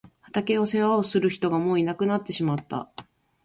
畑の世話をする人がもういなくなってしまった。